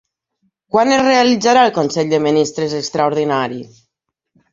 Quan es realitzarà el consell de ministres extraordinari?